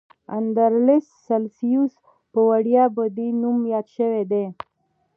اندرلس سلسیوس په ویاړ په دې نوم یاد شوی دی.